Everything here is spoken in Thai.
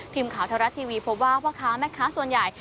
พิมพ์ข่าวเทวรัสทีวีพบว่าว่าข้าวแม่ข้าวส่วนใหญ่